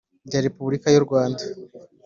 rya Repubulika y u Rwanda